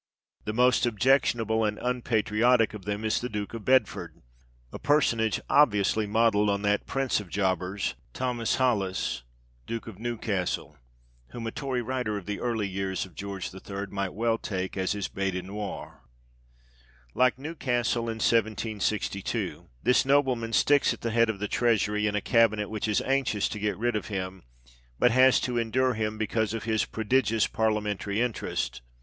The most objectionable and un patriotic of them is the Duke of Bedford, a personage obviously modelled on that prince of jobbers, Thomas Holies, Duke of Newcastle, whom a Tory writer of the early years of George III. might well take as his bete noire. Like Newcastle in 1762, this nobleman sticks at the head of the Treasury, in a cabinet which is anxious to get rid of him, but has to endure him, because of his "prodigious parliamentary interest."